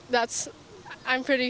dan saya pikir itu